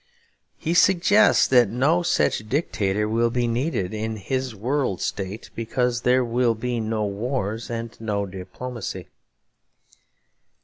He suggests that no such dictator will be needed in his World State because 'there will be no wars and no diplomacy.'